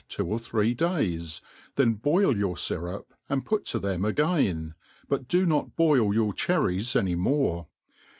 two or three days, then boil your fyrup and put to them aeain, bu^ do not boil your cherries any more.